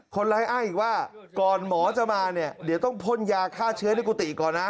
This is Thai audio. คนร้ายอ้างอีกว่าก่อนหมอจะมาเนี่ยเดี๋ยวต้องพ่นยาฆ่าเชื้อในกุฏิก่อนนะ